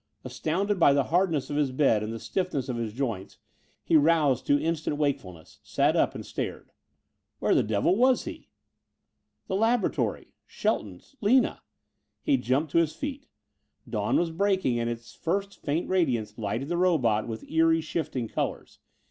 Astounded by the hardness of his bed and the stiffness of his joints, he roused to instant wakefulness; sat up and stared. Where the devil was he? The laboratory Shelton's Lina. He jumped to his feet. Dawn was breaking and its first faint radiance lighted the robot with eery shifting colors.